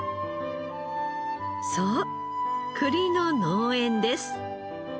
そう栗の農園です。